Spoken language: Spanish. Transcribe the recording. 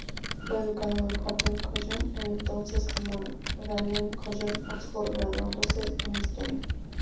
Fue educado en Eton College, en ese entonces Magdalen College, Oxford, graduándose en historia.